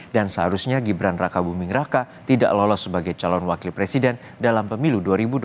dan seharusnya gibran raka buming raka tidak lolos sebagai calon wakil presiden dalam pemilu dua ribu dua puluh empat